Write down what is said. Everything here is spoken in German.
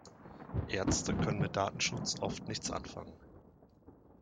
Ärzte können mit Datenschutz oft nichts anfangen.